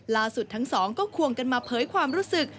ล่าสุดทั้งสองก็ควงกันมาเผยความรู้สึก